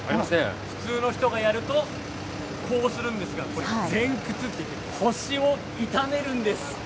普通の人がやるとこうするんですが、前屈と言って腰を痛めるんです。